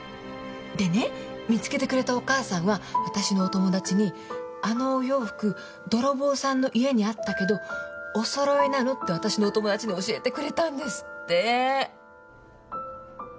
でね見つけてくれたお母さんはわたしのお友達に「あのお洋服泥棒さんの家にあったけどお揃いなの？」ってわたしのお友達に教えてくれたんですって。